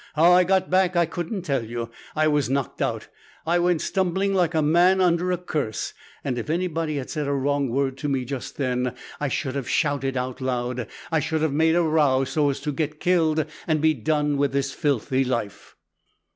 How I got back I couldn't tell you. I was knocked out. I went stumbling like a man under a curse, and if any body had said a wrong word to me just then ! I should have shouted out loud; I should have made a row, so as to get killed and be done with this filthy life!